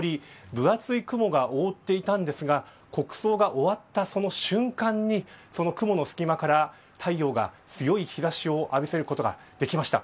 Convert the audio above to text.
分厚い雲が覆っていたんですが国葬が終わったその瞬間にその雲の隙間から太陽が強い日差しを浴びせることができました。